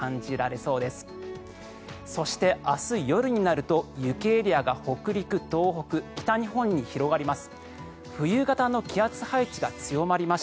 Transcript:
そして、明日夜になると雪エリアが北陸、東北、北日本に広がります。